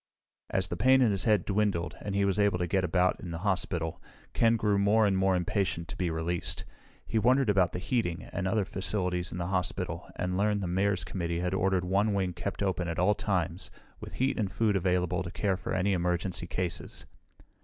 As the pain in his head dwindled, and he was able to get about in the hospital, Ken grew more and more impatient to be released. He wondered about the heating and other facilities in the hospital and learned the Mayor's committee had ordered one wing kept open at all times, with heat and food available to care for any emergency cases.